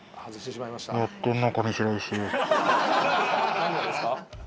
何がですか？